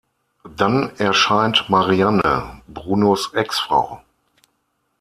Dann erscheint Marianne, Brunos Exfrau.